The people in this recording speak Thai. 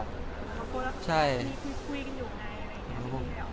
คุณพูดละครับคุยกันอยู่ไหน